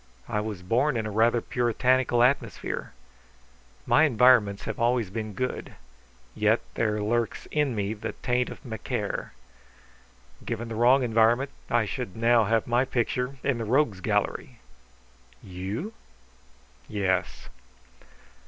I was born in a rather puritanical atmosphere. My environments have always been good. Yet there lurks in me the taint of Macaire. Given the wrong environment, I should now have my picture in the Rogues' Gallery." "You?" "Yes."